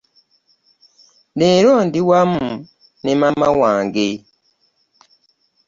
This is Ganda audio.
Leero ndi wamu ne maama wange.